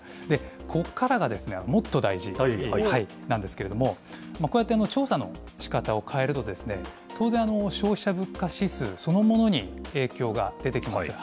ここからがですね、もっと大事なんですけれども、こうやって調査のしかたを変えるとですね、当然、消費者物価指数そのものに影響が出てきます。